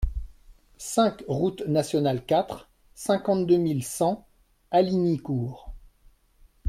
cinq route Nationale quatre, cinquante-deux mille cent Hallignicourt